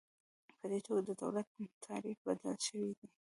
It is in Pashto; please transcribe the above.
په دې توګه د دولت تعریف بدل شوی دی.